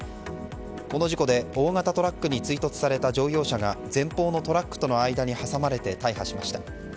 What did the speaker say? この事故で大型トラックに追突された乗用車が前方のトラックとの間に挟まれて大破しました。